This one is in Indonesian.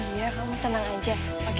iya kamu tenang aja